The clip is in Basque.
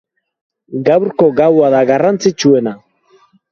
Gaurko gaua da garrantzitsuena.